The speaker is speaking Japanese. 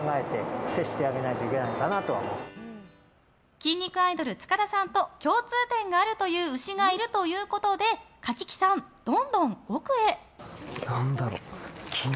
筋肉アイドル、塚田さんと共通点があるという牛がいるということで柿木さんどんどん奥へ。